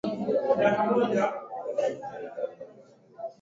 mama mjamzito mwenye dalili zote za malaria anapaswa kutibiwa